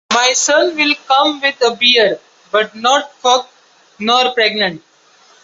My son will come with a bear, but not fucked nor pregnant.